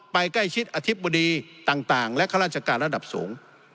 ใกล้ชิดอธิบดีต่างและข้าราชการระดับสูง